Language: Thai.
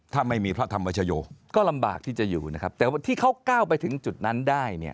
ถ้าไม่มีพระธรรมชโยก็ลำบากที่จะอยู่นะครับแต่ว่าที่เขาก้าวไปถึงจุดนั้นได้เนี่ย